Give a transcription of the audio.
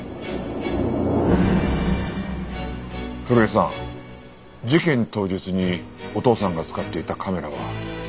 古江さん事件当日にお父さんが使っていたカメラは？